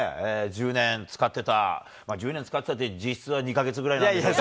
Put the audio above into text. １０年使ってた、１０年使ってたって、実質は２か月ぐらいなんですけど。